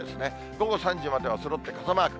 午後３時まではそろって傘マーク。